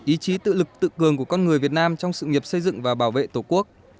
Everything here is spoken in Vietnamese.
ý chí tự lực tự cường của con người việt nam trong sự nghiệp xây dựng và bảo vệ tổ quốc